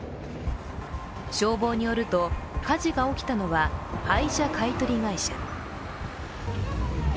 消防によると、火事が起きたのは廃車買い取り会社。